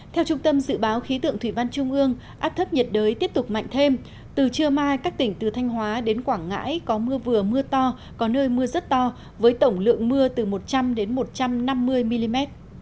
theo trung tâm dự báo khí tượng thủy văn trung ương áp thấp nhiệt đới tiếp tục mạnh thêm từ trưa mai các tỉnh từ thanh hóa đến quảng ngãi có mưa vừa mưa to có nơi mưa rất to với tổng lượng mưa từ một trăm linh một trăm năm mươi mm